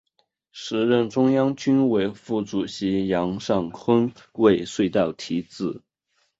时任中央军委副主席杨尚昆为隧道题字。